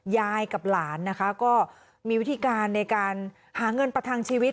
ยายกับหลานนะคะก็มีวิธีการในการหาเงินประทังชีวิต